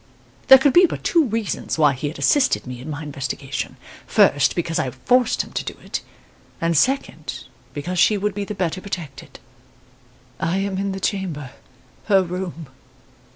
There could be but two reasons why he had assisted me in my investigation. First, because I forced him to do it; and, second, because she would be the better protected. "I am in the chamber her room.